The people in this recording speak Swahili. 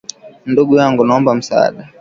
Ndugu yangu, naomba msaada.